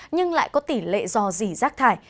nhưng lại có tỷ lệ dò dỉ rắc thải